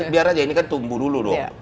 biar aja ini kan tumbuh dulu dong